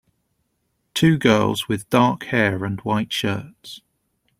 Two girls with dark hair and white shirts.